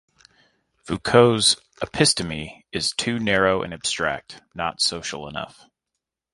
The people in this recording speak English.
Foucault's 'episteme' is too narrow and abstract, not social enough.